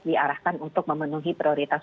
diarahkan untuk memenuhi prioritas